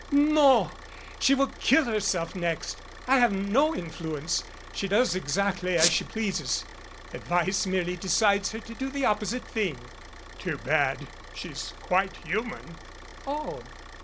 No ! She will kill herself next. I have no influence. She does exactly as she pleases. Advice merely decides her to do the opposite thing." "It's too bad. She's quite human." "Oh."